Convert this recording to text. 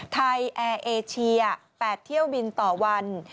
แอร์เอเชีย๘เที่ยวบินต่อวัน